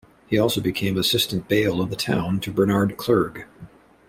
He also became assistant bayle in the town to Bernard Clergue.